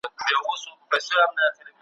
کار چي څوک بې استاد وي بې بنیاد وي ,